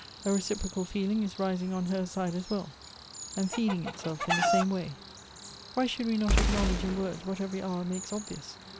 A reciprocal feeling is rising on her side as well, and feeding itself in the same way. Why should we not acknowledge in words what every hour makes obvious